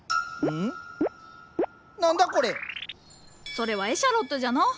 それはエシャロットじゃのう。